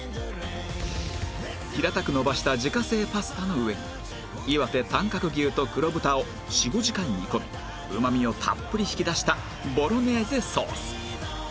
平たく延ばした自家製パスタの上にいわて短角牛と黒豚を４５時間煮込みうまみをたっぷり引き出したボロネーゼソース